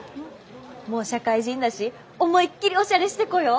もう社会人だし思いっきりおしゃれして来よう！